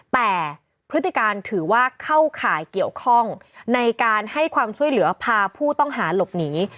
แต่พฤติการถือว่าเข้าข่ายเกี่ยวข้องในการให้ความช่วยเหลือพาผู้ต้องหาหลบหนี